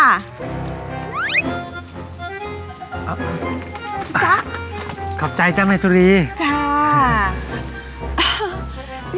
จ้ะขอบใจจ้ะแม่สุรีจ้า